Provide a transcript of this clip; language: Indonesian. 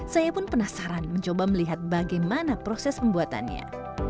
saya pun penasaran mencoba melihat bagaimana proses pembuatannya